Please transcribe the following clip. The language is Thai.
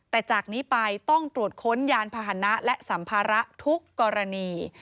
แต่จากนี้ไปต้องตรวจค้นยานพาหนะและสัมภาระทุกกรณี